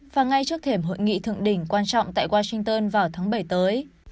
và ngay trước thềm hội nghị thượng đỉnh quan trọng tại washington vào tháng bảy tới